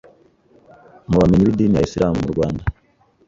mu bamenyi b’idini ya Islam mu Rwanda